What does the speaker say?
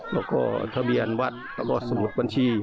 และทะเบียนวัดสมุทรบัญชี